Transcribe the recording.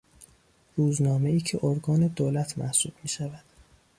روزنامهای که ارگان دولت محسوب میشود.